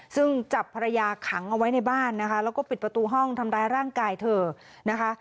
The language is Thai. ซึ่งจับภรรยาขังเอาไว้ในบ้านนะคะแล้วก็ปิดประตูห้องทำร้ายร่างกายเธอนะคะ